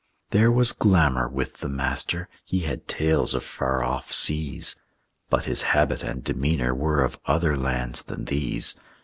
There was glamour with the Master; He had tales of far off seas; But his habit and demeanor Were of other lands than these.